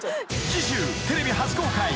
［次週テレビ初公開］